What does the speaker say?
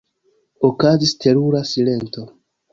Okazis terura silento.